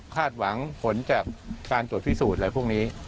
หวังผลจากการตรวจพิสูจน์อะไรพวกนี้